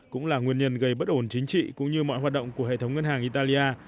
cũng là nguyên nhân gây bất ổn chính trị cũng như mọi hoạt động của hệ thống ngân hàng italia